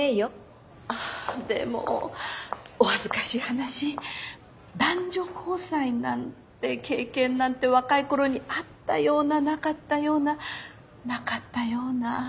でもお恥ずかしい話男女交際なんて経験なんて若い頃にあったようななかったようななかったような。